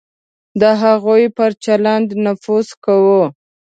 د هغوی پر چلند نفوذ کوو.